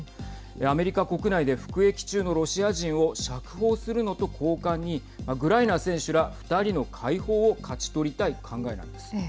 アメリカ国内で服役中のロシア人を釈放するのと交換にグライナー選手ら２人の解放を勝ち取りたい考えなんです。